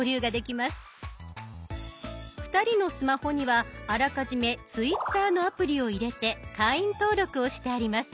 ２人のスマホにはあらかじめツイッターのアプリを入れて会員登録をしてあります。